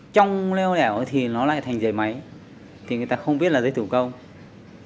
trang trí này sẽ làm